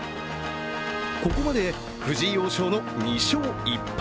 ここまで藤井王将の２勝１敗。